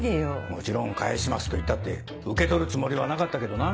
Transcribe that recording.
もちろん「返します」と言ったって受け取るつもりはなかったけどな。